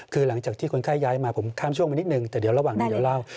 คือหลังจากที่คนไข้ย้ายมาผมข้ามช่วงไปนิดนึงแต่เดี๋ยวระหว่างนี้เดี๋ยวเล่า